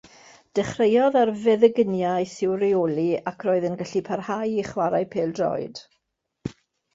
Dechreuodd ar feddyginiaeth i'w rheoli ac roedd e'n gallu parhau i chwarae pêl droed.